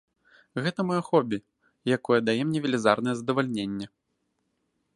Гэта маё хобі, якое дае мне велізарнае задавальненне.